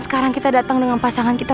saya juga bersuka dengan dia